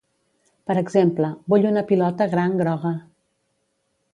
Per exemple, vull una pilota gran groga.